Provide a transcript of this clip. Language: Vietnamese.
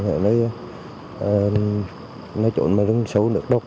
ở nơi trốn mà rừng sâu